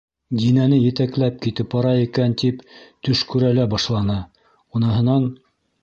Динәне етәкләп китеп бара икән тип төш күрә лә башланы, уныһынан: